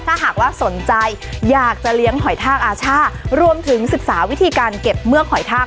ถ้าหากว่าสนใจอยากจะเลี้ยงหอยทากอาช่ารวมถึงศึกษาวิธีการเก็บเมือกหอยทาก